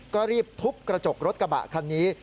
ก็รีบทุบกระจกรถกระบะคันนี้